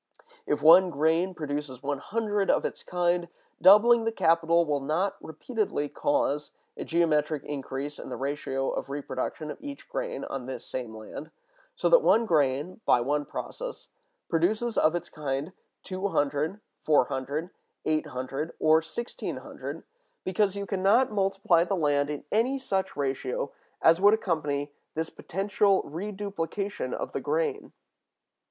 If one grain produces 100 of its kind, doubling the capital will not repeatedly cause a geometric increase in the ratio of reproduction of each grain on this same land, so that one grain, by one process, produces of its kind 200, 400, 800, or 1,600, because you can not multiply the land in any such ratio as would accompany this potential reduplication of the grain.